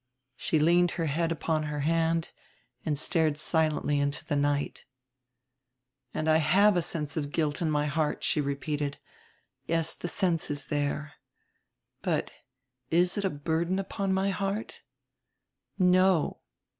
She leaned her head upon her hand and stared silently into the night. "And have a sense of guilt in my heart," she repeated. "Yes, the sense is there. But is it a burden upon my heart? No.